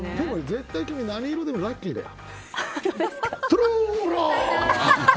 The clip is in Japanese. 絶対何色でもラッキーだよ。